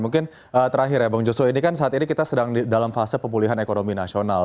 mungkin terakhir ya bang joshua ini kan saat ini kita sedang dalam fase pemulihan ekonomi nasional